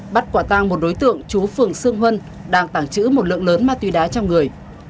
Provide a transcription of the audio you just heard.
bắt quả tang một đối tượng chú phường sương huân đang tảng trữ một lượng lớn ma túy đá trong người